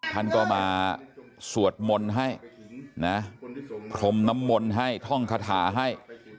ท่านก็มาสวดมนต์ให้นะพรมน้ำมนต์ให้ท่องคาถาให้